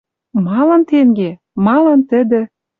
Малын тенге? Малын тӹдӹ